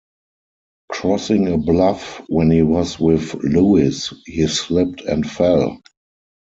Crossing a bluff when he was with Lewis, he slipped and fell.